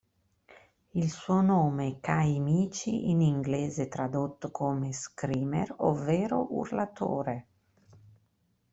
Il suo nome Kaimichi, in inglese tradotto come screamer, ovvero urlatore.